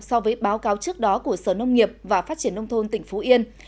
so với báo cáo trước đó của sở nông nghiệp và phát triển nông thôn tỉnh phú yên